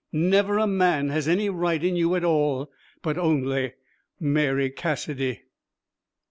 Never a man has any right in you at all, but only Mary Cassidy.'